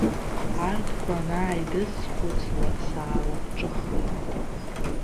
Арҭқәа анааидысхәыцла, саалахҿыххеит.